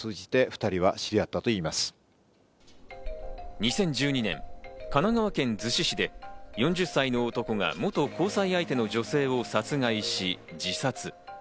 ２０１２年、神奈川県逗子市で４０歳の男が元交際相手の女性を殺害し、自殺。